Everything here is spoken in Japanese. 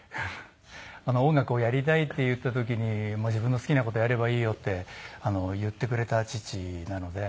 「音楽をやりたい」って言った時に「自分の好きな事やればいいよ」って言ってくれた父なので。